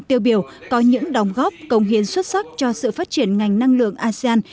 tiêu biểu có những đồng góp công hiến xuất sắc cho sự phát triển ngành năng lượng asean